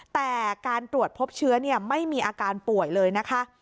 แต่การตรวจพบเชื้อไม่มีอาการป่วยเลยนะคะ